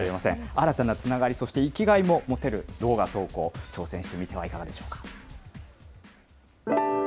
新たなつながり、そして生きがいも持てる動画投稿、挑戦してみてはいかがでしょうか。